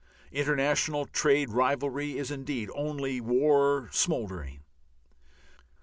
International trade rivalry is, indeed, only war smouldering.